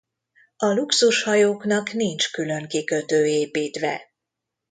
A Luxus hajóknak nincs külön kikötő építve.